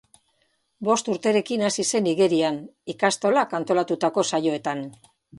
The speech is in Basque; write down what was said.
Bost urterekin hasi zen igerian, ikastolak antolatutako saioetan.